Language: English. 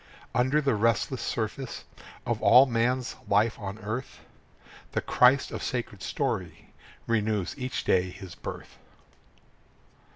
Under the restless surface Of all man's life on earth, The Christ of sacred story Renews each day his birth.